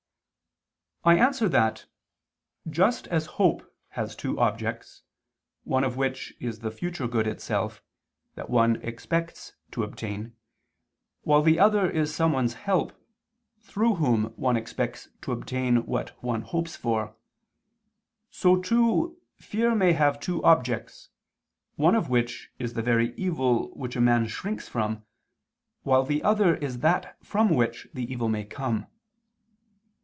I answer that, Just as hope has two objects, one of which is the future good itself, that one expects to obtain, while the other is someone's help, through whom one expects to obtain what one hopes for, so, too, fear may have two objects, one of which is the very evil which a man shrinks from, while the other is that from which the evil may come.